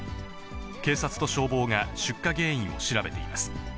警察と消防が出火原因を調べています。